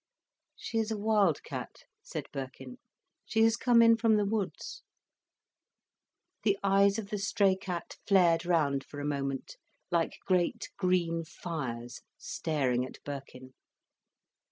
"She is a wild cat," said Birkin. "She has come in from the woods." The eyes of the stray cat flared round for a moment, like great green fires staring at Birkin.